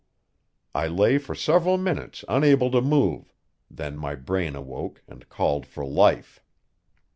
I lay for several minutes unable to move; then my brain awoke and called for life.